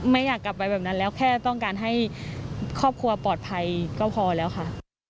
อยากกลับไปแบบนั้นแล้วแค่ต้องการให้ครอบครัวปลอดภัยก็พอแล้วค่ะ